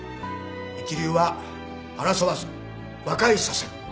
一流は争わず和解させる。